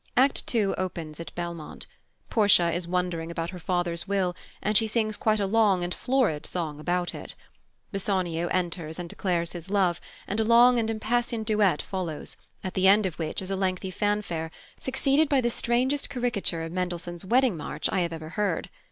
Act ii. opens at Belmont. Portia is wondering about her father's will, and she sings quite a long and florid song about it. Bassanio enters and declares his love, and a long and impassioned duet follows, at the end of which is a lengthy fanfare, succeeded by the strangest caricature of Mendelssohn's Wedding March I have ever heard.